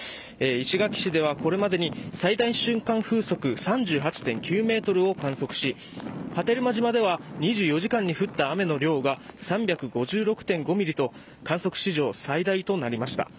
石垣市ではこれまでに、最大瞬間風速３８．９メートルを観測し、波照間島では２４時間に降った雨の量が３５６．５ミリと、観測史上最大となりました。